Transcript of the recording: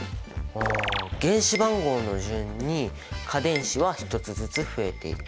ああ原子番号の順に価電子は１つずつ増えていく。